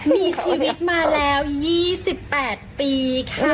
มีชีวิตมาแล้ว๒๘ปีค่ะ